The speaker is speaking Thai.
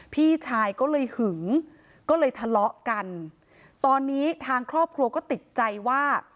พี่ชายก็เลยหึงก็เลยทะเลาะกันตอนนี้ทางครอบครัวก็ติดใจว่า